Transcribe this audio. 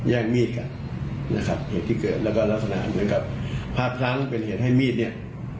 มีดกันนะครับเหตุที่เกิดแล้วก็ลักษณะเหมือนกับภาพพลั้งเป็นเหตุให้มีดเนี่ย